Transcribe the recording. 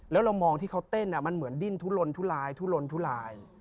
แล้วเรามองที่เขาเต้นมันเหมือนดิ้นทุรนทุราย